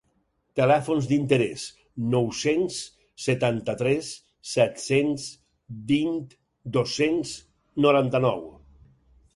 Telèfons d'interès: nou-cents setanta-tres set-cents vint dos-cents noranta-nou.